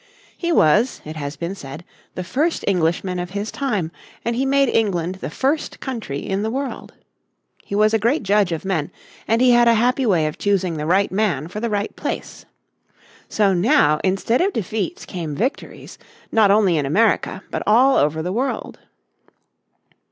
He was, it has been said, the first Englishman of his time, and he made England the first country in the world. He was a great judge of men, and he had a happy way of choosing the right man for the right place. So now instead of defeats came victories, not only in America, but all over the world.